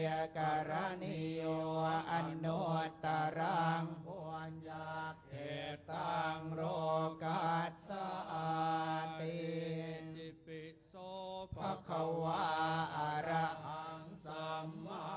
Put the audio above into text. สารทิสันทะเทวะมนุนสานนางพุทธโทพักขวาตาธรรม